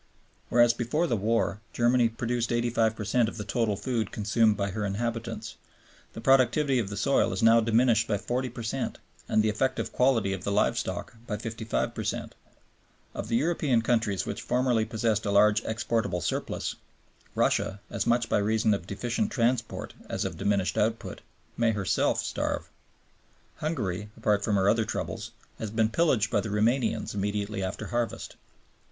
Whereas before the war Germany produced 85 per cent of the total food consumed by her inhabitants, the productivity of the soil is now diminished by 40 per cent and the effective quality of the live stock by 55 per cent. Of the European countries which formerly possessed a large exportable surplus, Russia, as much by reason of deficient transport as of diminished output, may herself starve. Hungary, apart from her other troubles, has been pillaged by the Romanians immediately after harvest.